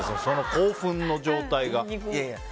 興奮の状態が。